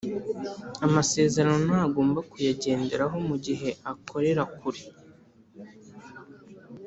amasezerano ntagomba kuyagenderaho mu gihe akorera kure